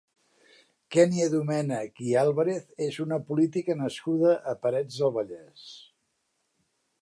Kènia Domènech i Àlvarez és una política nascuda a Parets del Vallès.